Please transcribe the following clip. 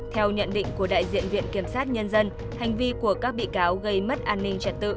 theo nhận định của đại diện viện kiểm sát nhân dân hành vi của các bị cáo gây mất an ninh trật tự